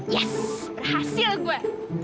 yes berhasil gue